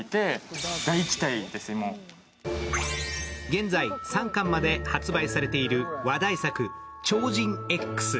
現在、３巻まで発売されている話題作「超人Ｘ」。